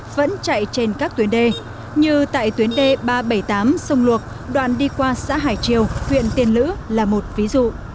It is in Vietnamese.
vẫn chạy trên các tuyến đê như tại tuyến d ba trăm bảy mươi tám sông luộc đoạn đi qua xã hải triều huyện tiên lữ là một ví dụ